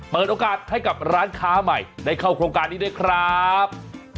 เปิดโอกาสให้กับร้านค้าใหม่ได้เข้าโครงการนี้ด้วยครับ